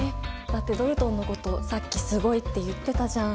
だってドルトンのことさっきすごいって言ってたじゃん。